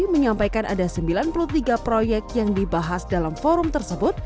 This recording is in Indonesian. menyampaikan ada sembilan puluh tiga proyek yang dibahas dalam forum tersebut